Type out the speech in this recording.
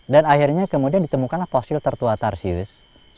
dan akhirnya kemudian ditemukanlah fosil tertua tarsius